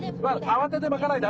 慌てて巻かないで。